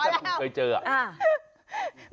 พอแล้ว